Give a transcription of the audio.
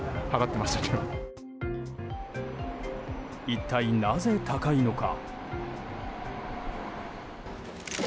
一体、なぜ高いのか。